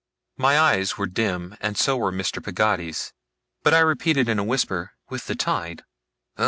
My eyes were dim and so were Mr. Peggotty's; but I repeated in a whisper, 'With the tide?